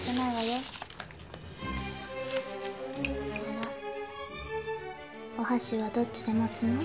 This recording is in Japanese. あらお箸はどっちで持つの？